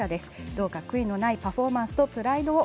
どうか悔いのないパフォーマンスとプライドを。